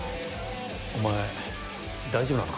お前大丈夫なのか？